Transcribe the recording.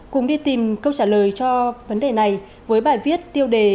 cùng đi tìm câu trả lời cho vấn đề này với bài viết tiêu đề